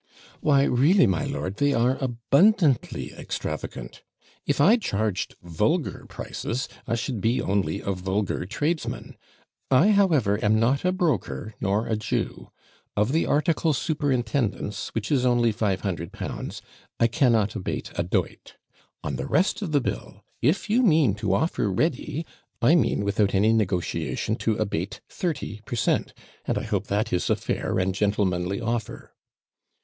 'Why, really, my lord, they are ABUNDANTLY extravagant; if I charged vulgar prices, I should be only a vulgar tradesman. I, however, am not a broker, nor a Jew. Of the article superintendence, which is only L500, I cannot abate a dolt; on the rest of the bill, if you mean to offer READY, I mean, without any negotiation, to abate thirty per cent; and I hope that is a fair and gentlemanly offer.'